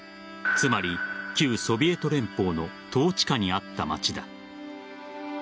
つまり旧ソビエト連邦の統治下にあった町だ。